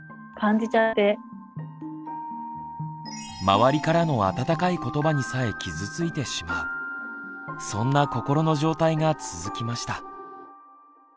周りからの温かい言葉にさえ傷ついてしまうそんな心の状態が続きました。